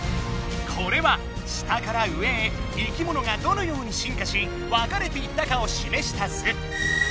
これは下から上へ生きものがどのように進化し分かれていったかをしめした図。